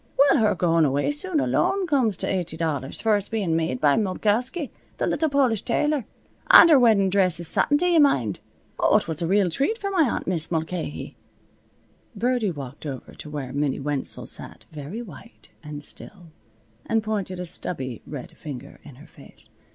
Well, her going away suit alone comes to eighty dollars, for it's bein' made by Molkowsky, the little Polish tailor. An' her weddin' dress is satin, do yuh mind! Oh, it was a real treat for my aunt Mis' Mulcahy." Birdie walked over to where Minnie Wenzel sat, very white and still, and pointed a stubby red finger in her face.